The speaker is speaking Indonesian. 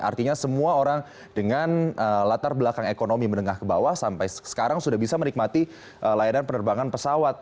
artinya semua orang dengan latar belakang ekonomi menengah ke bawah sampai sekarang sudah bisa menikmati layanan penerbangan pesawat